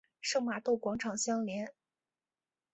圣玛窦广场相连。